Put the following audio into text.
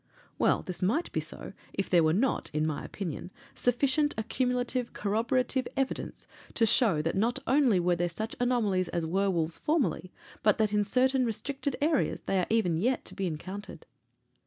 Well, this might be so, if there were not, in my opinion, sufficient accumulative corroborative evidence to show that not only were there such anomalies as werwolves formerly, but that, in certain restricted areas, they are even yet to be encountered.